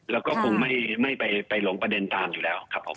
แล้วก็คงไม่ไปหลงประเด็นตามอยู่แล้วครับผม